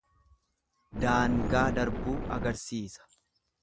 Daangaa darbuu agrsiisa.